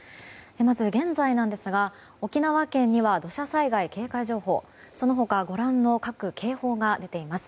まず現在なんですが沖縄県には土砂災害警戒情報その他ご覧の各警報が出ています。